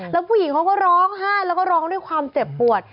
แล้วผู้หญิงเขาก็ร้องไห้แล้วก็ร้องด้วยความเจ็บปวด